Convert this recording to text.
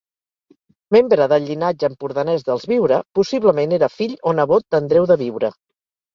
Membre del llinatge empordanès dels Biure, possiblement era fill o nebot d'Andreu de Biure.